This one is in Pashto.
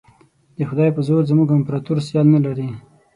د خدای په زور زموږ امپراطور سیال نه لري.